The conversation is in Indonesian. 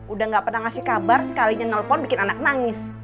udah gak pernah ngasih kabar sekalinya nelpon bikin anak nangis